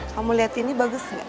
kamu lihat ini bagus nggak